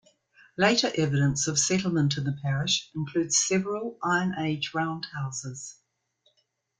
Later evidence of settlement in the parish includes several Iron Age roundhouses.